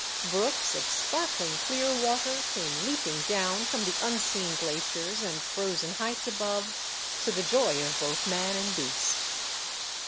Brooks of sparkling clear water came leaping down from the unseen glaciers and frozen heights above, to the joy of both man and beast.